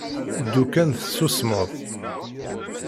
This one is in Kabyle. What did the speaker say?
Ddu kan tessusmeḍ.